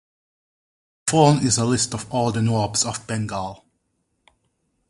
The following is a list of all the "Nawabs of Bengal".